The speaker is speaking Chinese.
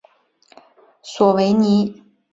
索维尼。